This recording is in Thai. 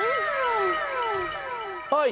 อื้อ